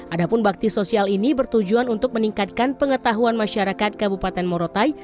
adapun bakti sosial ini bertujuan untuk meningkatkan pengetahuan masyarakat kabupaten morotai